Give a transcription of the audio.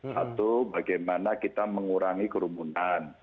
satu bagaimana kita mengurangi kerumunan